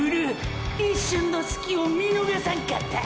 一瞬のスキを見のがさんかった！！